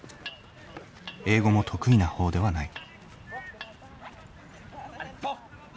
英語も得意なほうではない。